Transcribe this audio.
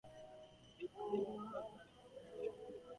The image was censored by the Belgian king and removed from an exhibition.